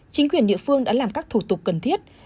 chính quyền địa phương đã làm các thủ tục cần thiết